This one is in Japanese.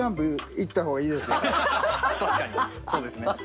そうですね。